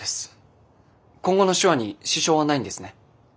今後の手話に支障はないんですね？